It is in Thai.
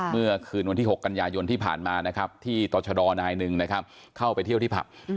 เมื่อคืนวันที่๖กันอย่ายนที่ผ่านมาที่ตรชดรนาย๑เข้าไปเที่ยวที่ผับ